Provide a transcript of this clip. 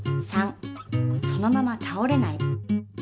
そのままたおれない。